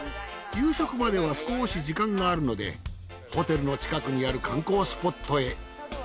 夕食までは少し時間があるのでホテルの近くにある観光スポットへ。